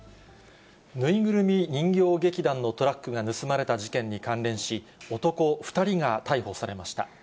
縫いぐるみ人形劇団のトラックが盗まれた事件に関連し、男２人が逮捕されました。